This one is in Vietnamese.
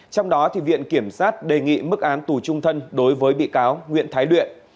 trong đó viện kiểm sát đề nghị mức án tù trung thân đối với bị cáo nguyễn thái luyện